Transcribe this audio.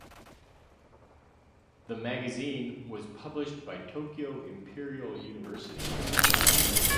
The magazine was published by Tokyo Imperial University.